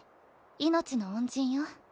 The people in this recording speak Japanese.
命の恩人よ。